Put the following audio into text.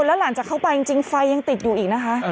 แล้วหลังจากเข้าไปจริงไฟยังติดอยู่อีกนะคะ